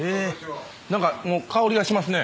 何かもう香りがしますね。